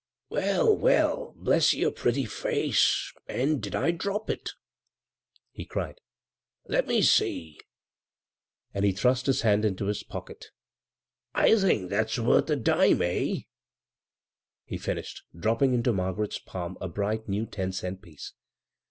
"Well, well, bless your pretty face, and did I drop it ?" he cried. " Let me see," and he thrust his hand into his pocket; " I'm thinking that's worth a dime ; eh ?" he finished, dropping into Margaret's palm a bright new ten cent piece.